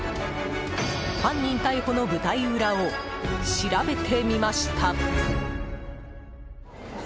犯人逮捕の舞台裏を調べてみました。